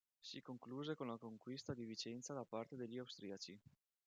Si concluse con la conquista di Vicenza da parte degli austriaci.